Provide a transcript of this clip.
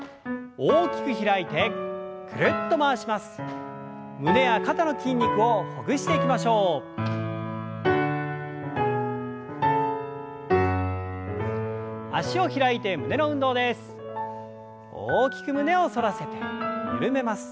大きく胸を反らせて緩めます。